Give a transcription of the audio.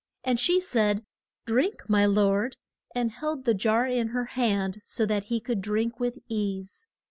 And she said, Drink, my Lord, and held the jar in her hand so that he could drink with ease.